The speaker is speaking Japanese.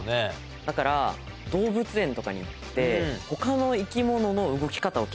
だから動物園とかに行って他の。